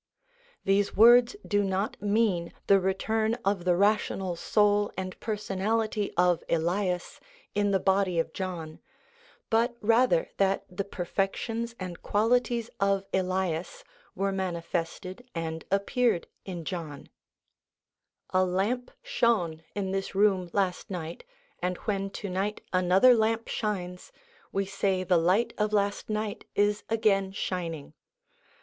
These words do not mean the return of the rational soul and personality of Elias in the body of John, but rather that the perfections and qualities of Elias were manifested and appeared in John. 326 SOME ANSWERED QUESTIONS A lamp shone in this room last night, and when to night another lamp shines, we say the light of last night is again shining.